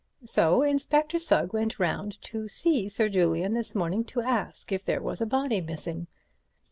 So Inspector Sugg went round to see Sir Julian this morning to ask if there was a body missing.